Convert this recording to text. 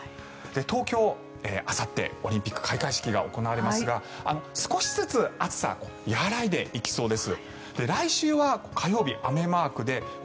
東京、あさってオリンピックの開会式が行われますが少しずつ暑さは和らいでいきそうです。